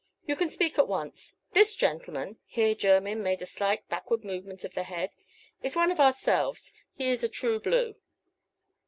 You can speak at once. This gentleman" here Jermyn made a slight backward movement of the head "is one of ourselves; he is a true blue."